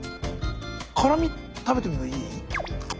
辛み食べてみてもいい？